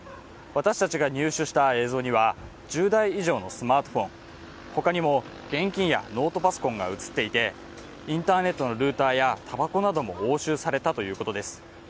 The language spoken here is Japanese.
私たちが入手した映像では１０台以上のスマートフォン他にも現金やノートパソコンが映っていてインターネットのルーターやたばこなども押収されたということです。